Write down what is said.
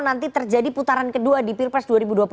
nanti terjadi putaran kedua di peer press